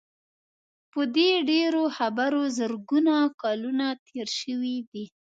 په دې ډېرو خبرو زرګونه کلونه تېر شوي دي.